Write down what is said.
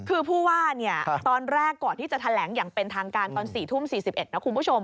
คือผู้ว่าตอนแรกก่อนที่จะแถลงอย่างเป็นทางการตอน๔ทุ่ม๔๑นะคุณผู้ชม